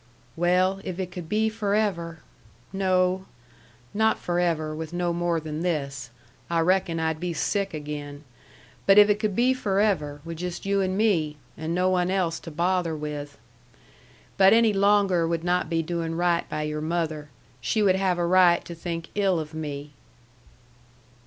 "Well, if it could be forever no. Not forever with no more than this. I reckon I'd be sick again! But if it could be forever with just you and me, and no one else to bother with. But any longer would not be doing right by your mother. She would have a right to think ill of me."